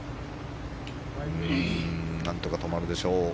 何とか止まるでしょう。